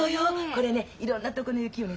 これねいろんなとこの雪をね